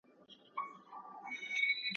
درلېږل چي مي نظمونه هغه نه یم ,